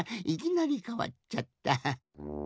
いきなりかわっちゃった。